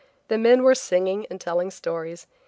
The men were singing and telling stories.